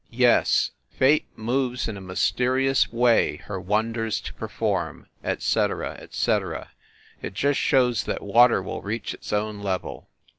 Yes, fate moves in a mys terious way her wonders to perform, et cetera, et cetera. It just shows that water will reach its own level.